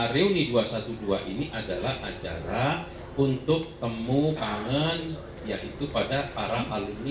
reuni dua ratus dua belas ini adalah acara untuk temukanan yaitu pada para alumni dua ratus dua belas